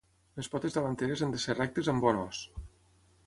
Les potes davanteres han de ser rectes amb bon os.